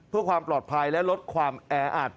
เพื่อความปลอดภัยและลดความแออัด